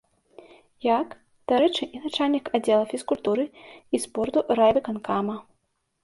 Як, дарэчы, і начальнік аддзела фізкультуры і спорту райвыканкама.